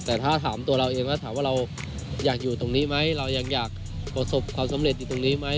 แต่ถ้าถามตัวเราเองแล้วถามว่าเราอยากอยู่ตรงนี้ไหมเรายังอยากประสบความสำเร็จอยู่ตรงนี้ไหม